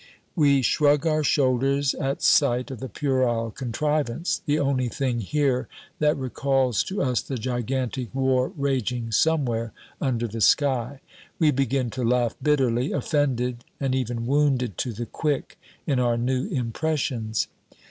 We shrug our shoulders at sight of the puerile contrivance, the only thing here that recalls to us the gigantic war raging somewhere under the sky. We begin to laugh bitterly, offended and even wounded to the quick in our new impressions.